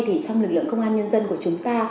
thì trong lực lượng công an nhân dân của chúng ta